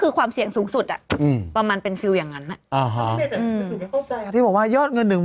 อึกอึกอึกอึกอึกอึกอึกอึก